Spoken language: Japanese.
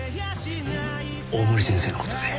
大森先生のことで。